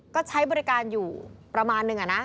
ก็ใช้บริการอยู่ประมาณนึง